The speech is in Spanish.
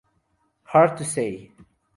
Hard to Say.